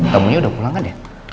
tamunya udah pulang kan ya